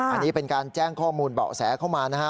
อันนี้เป็นการแจ้งข้อมูลเบาะแสเข้ามานะฮะ